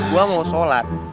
gua mau sholat